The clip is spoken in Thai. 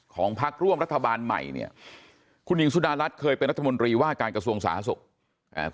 พักร่วมรัฐบาลใหม่เนี่ยคุณหญิงสุดารัฐเคยเป็นรัฐมนตรีว่าการกระทรวงสาธารณสุขอ่า